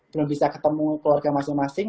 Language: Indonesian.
belum bisa ketemu keluarga masing masing